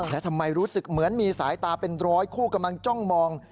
และทำไมรู้สึกเหมือนมีสายตาเป็นร้อยคู่กำลังจ้องมอง